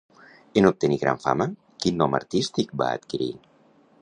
En obtenir gran fama, quin nom artístic va adquirir?